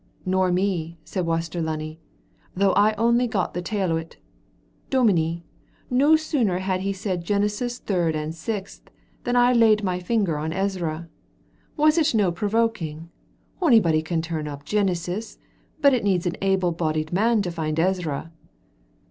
"Nor me," said Waster Lunny, "though I only got the tail o't. Dominie, no sooner had he said Genesis third and sixth, than I laid my finger on Ezra. Was it no provoking? Onybody can turn up Genesis, but it needs an able bodied man to find Ezra."